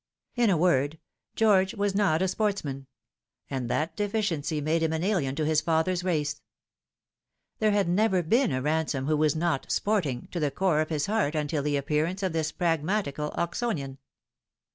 In a word, George was not a sportsman ; and that deficiency made him an alien to his father's race. There had never been a Ransome who was not " sporting " to the core of his heart until the appearance of this pragmatical Oxonian.